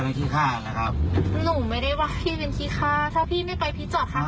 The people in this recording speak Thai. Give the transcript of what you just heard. มันคงต้องแยกทางกันตรงนี้นะคะฟังแล้ว